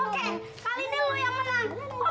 kali ini lo yang kalah oke